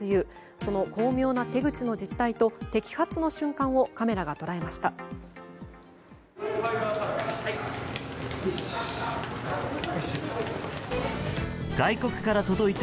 その巧妙な手口の実態と摘発の瞬間をカメラが捉えました。